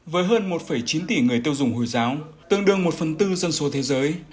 với hơn một chín tỷ người tiêu dùng hồi giáo tương đương một phần tư dân số thế giới